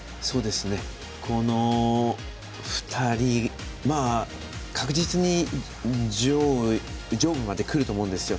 この２人、確実に上部までくると思うんですよ。